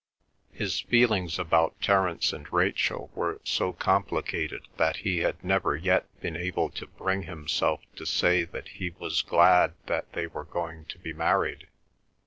His feelings about Terence and Rachel were so complicated that he had never yet been able to bring himself to say that he was glad that they were going to be married.